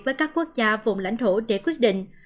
với các quốc gia vùng lãnh thổ để quyết định